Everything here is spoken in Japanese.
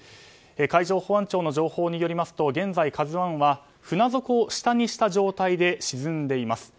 海上保安庁の情報によりますと現在、「ＫＡＺＵ１」は船底を下にした状態で沈んでいます。